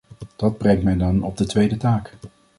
Dat brengt mij dan op de tweede taak.